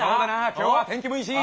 今日は天気もいいし。